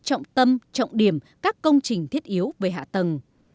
trọng tâm trọng điểm các công trình thiết yếu về hạ tầng